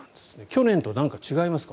去年と何か違いますか？